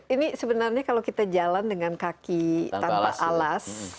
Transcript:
ini sebenarnya kalau kita jalan dengan kaki tanpa alas